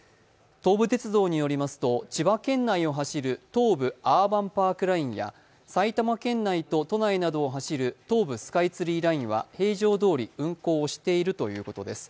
東武鉄道によりますと、千葉県内を走る東武アーバンパークラインや埼玉県内と都内などを走る東武スカイツリーラインは平常どおり運行しているということです。